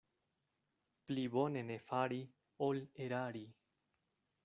Pli bone ne fari, ol erari.